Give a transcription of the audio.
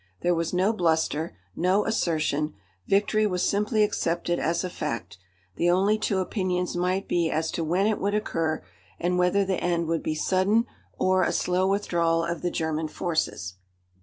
There was no bluster, no assertion; victory was simply accepted as a fact; the only two opinions might be as to when it would occur, and whether the end would be sudden or a slow withdrawal of the German forces.